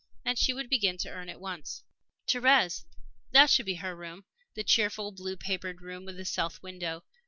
And she would begin to earn at once. Thérèse that should be her room the cheerful, blue papered room with the south window.